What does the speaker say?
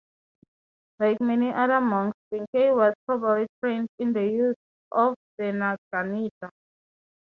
Like many other monks, Benkei was probably trained in the use of the naginata.